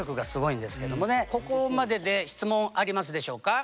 ここまでで質問ありますでしょうか？